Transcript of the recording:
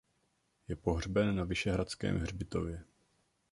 Je pohřben na Vyšehradském hřbitově.